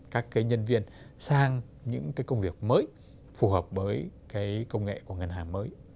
các cái nhân viên sang những cái công việc mới phù hợp với cái công nghệ của ngân hàng mới